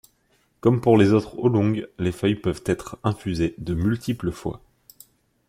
Comme pour les autres oolong, les feuilles peuvent être infusées de multiples fois.